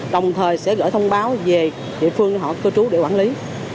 đồng thời sẽ gửi thông báo về địa phương họ cư trú để quản lý